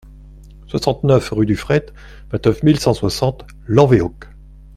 soixante-neuf rue du Fret, vingt-neuf mille cent soixante Lanvéoc